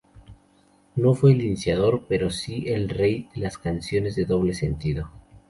No fue el iniciador, pero sí el rey de las canciones de doble sentido.